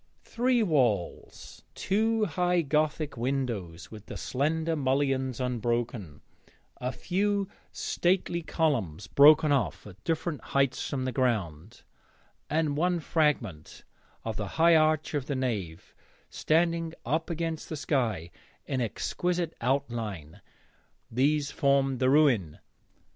Three walls, two high gothic windows with the slender mullions unbroken, a few stately columns broken off at different heights from the ground, and one fragment of the high arch of the nave standing up against the sky in exquisite outline these formed the ruin.